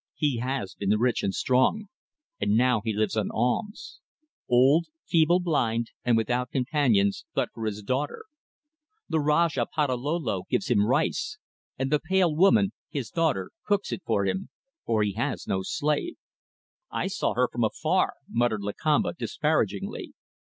He has been rich and strong, and now he lives on alms: old, feeble, blind, and without companions, but for his daughter. The Rajah Patalolo gives him rice, and the pale woman his daughter cooks it for him, for he has no slave." "I saw her from afar," muttered Lakamba, disparagingly.